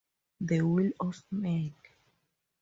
The will of man!